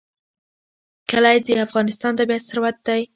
کلي د افغانستان طبعي ثروت دی.